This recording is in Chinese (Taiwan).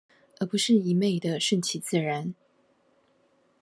而不是一昧地順其自然